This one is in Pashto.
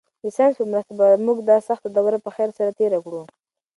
د ساینس په مرسته به موږ دا سخته دوره په خیر سره تېره کړو.